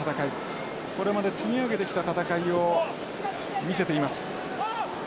これまで積み上げてきた戦いを見せています。